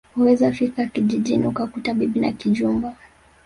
Waweza fika kijijini ukakuta bibi na kijumba